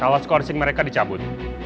kalau scoring mereka dicabut